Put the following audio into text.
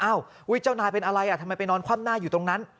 เจ้านายเป็นอะไรทำไมไปนอนคว่ำหน้าอยู่ตรงนั้น